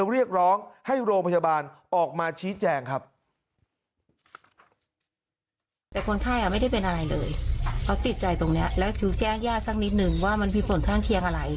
แล้วแจ้งยากสักนิดนึงว่ามันมีผลข้างเคียงอะไร